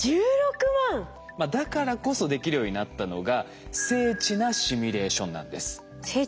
だからこそできるようになったのが精緻なシミュレーション。